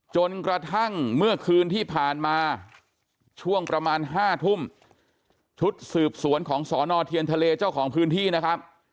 จนกระทั่งเมื่อคืนที่ผ่านมาช่วงประมาณ๕ทุ่มชุดสืบสวนของสอนอเทียนทะเลเจ้าของพื้นที่นะครับ